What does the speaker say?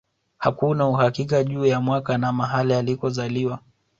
Hakuna uhakika juu ya mwaka na mahali alikozaliwa